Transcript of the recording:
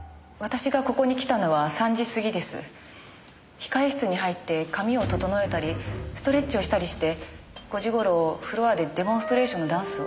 控室に入って髪を整えたりストレッチをしたりして５時頃フロアでデモンストレーションのダンスを。